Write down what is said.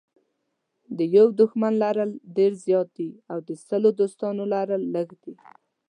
د یوه دښمن لرل ډېر زیات دي او د سلو دوستانو لرل لږ دي.